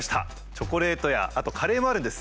チョコレートやあとカレーもあるんです。